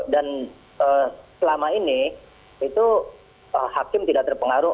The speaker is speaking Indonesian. dan selama ini itu hakim tidak terpengaruh